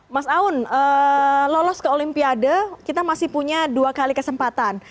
mas aun lolos ke olimpiade kita masih punya dua kali kesempatan